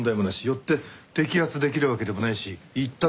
よって摘発できるわけでもないし行ったところで。